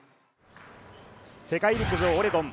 世界陸上オレゴン。